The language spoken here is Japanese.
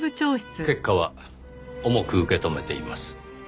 結果は重く受け止めています。